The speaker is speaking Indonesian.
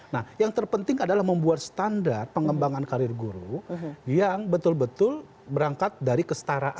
nah yang terpenting adalah membuat standar pengembangan karir guru yang betul betul berangkat dari kestaraan